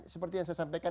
seperti yang saya sampaikan